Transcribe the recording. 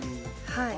はい。